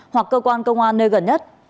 hoặc cơ quan công an nơi gần nhất